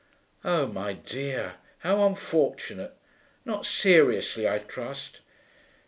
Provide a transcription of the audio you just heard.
'Oh, my dear, how unfortunate! Not seriously, I trust?'